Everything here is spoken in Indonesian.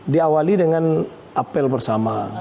diawali dengan apel bersama